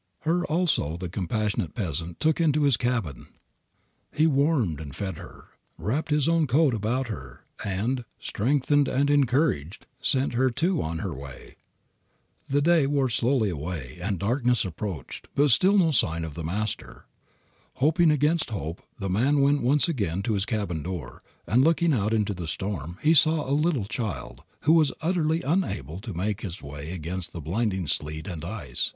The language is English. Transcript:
Her also the compassionate peasant took into his cabin. He warmed and fed her, wrapped his own coat about her, and, strengthened and encouraged, sent her too on her way. The day wore slowly away and darkness approached, but still no sign of the Master. Hoping against hope, the man went once again to his cabin door, and looking out into the storm he saw a little child, who was utterly unable to make its way against the blinding sleet and ice.